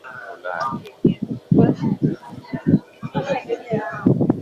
maeneo ya Nigeria ya leo haukuanzishwa na watu kutoka Ulaya